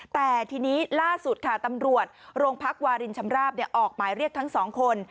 แต่ทีนี้ล่าสุดค่ะตำรวจโรงพักวารินชำราบออกหมายเรียกทั้งสองคน